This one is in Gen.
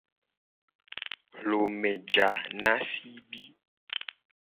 Hlome ja na sibi.